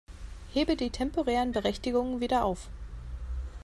Hebe die temporären Berechtigungen wieder auf.